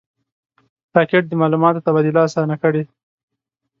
راکټ د معلوماتو تبادله آسانه کړې